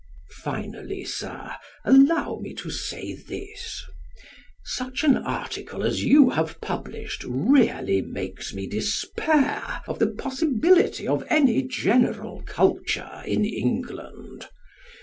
Finally, Sir, allow me to say this. Such an article as you have published really makes me despair of the possibility of any general culture in England.